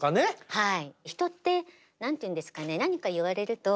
はい。